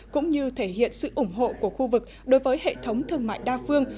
cũng như thể hiện sự ủng hộ của khu vực đối với hệ thống thương mại đa phương